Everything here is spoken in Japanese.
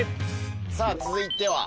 さあ続いては？